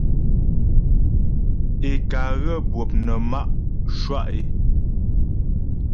Ě ká ghə́ bwɔp nə má' shwá' é.